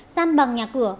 gian bằng nhà cửa